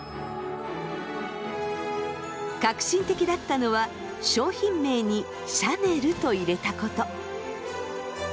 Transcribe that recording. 革新的だったのは商品名にシャネルと入れたこと。